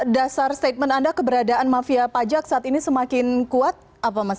dasar statement anda keberadaan mafia pajak saat ini semakin kuat apa mas